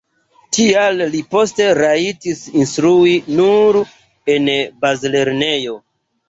Tial li poste rajtis instrui nur en bazlernejo.